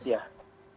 ya terima kasih